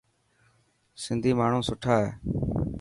سنڌي ماڻهو سٺا هي.